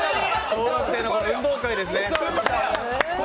小学生のころ、運動会ですね。